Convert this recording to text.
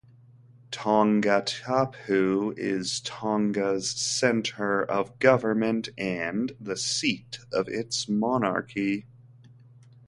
Tongatapu is Tonga's centre of government and the seat of its monarchy.